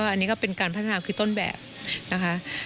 อันนี้ก็เป็นการพัฒนาคือต้นแบบนะคะ